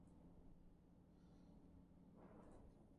Recientemente fue miembro de una encarnación de la Banda de la Injusticia.